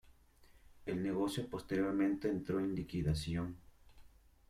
El negocio posteriormente entró en liquidación.